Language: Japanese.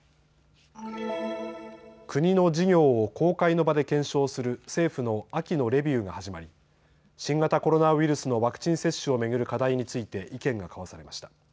国の事業を公開の場で検証する政府の秋のレビューが始まり新型コロナウイルスのワクチン接種を巡る課題について意見が交わされました。